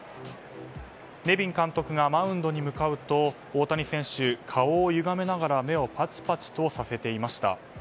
ネビン監督がマウンドに向かうと大谷選手は顔をゆがめながら目をパチパチとさせていました。